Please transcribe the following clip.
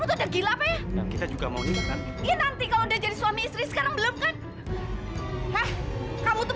aku hilaf aku gak sadar banget